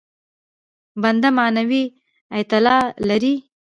بنده معنوي اعتلا لري.